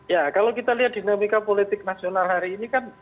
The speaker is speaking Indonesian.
ya kalau kita lihat dinamika politik nasional hari ini kan